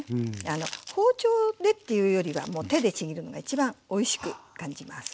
あの包丁でっていうよりはもう手でちぎるのが一番おいしく感じます。